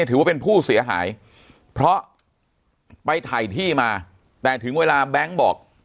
ถือว่าเป็นผู้เสียหายเพราะไปถ่ายที่มาแต่ถึงเวลาแบงค์บอก